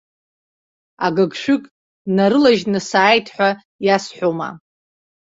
Агыгшәыг днарылажьны сааит ҳәа иасҳәома?!